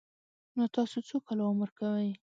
_نو تاسو څو کاله عمر کوئ؟